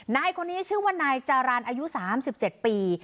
นายคนนี้ชื่อว่านายจารันอายุ๓๗ปี